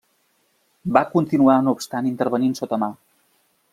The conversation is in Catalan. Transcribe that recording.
Va continuar no obstant intervenint sota mà.